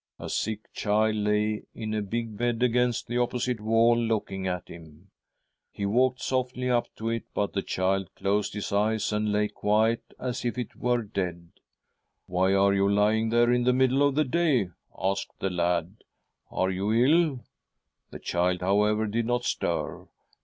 A sick child lay in a big bed against the opposite wall looking at him. 1 He walked softly up to it, but the child closed its eyes and lay as quiet as if it were dead. ' Why are you lying there in the middle of the day ?' asked the lad. ' Are you ill ?' The child, however, did not stir.